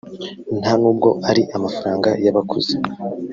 nta n’ubwo ari amafaranga y’abakuze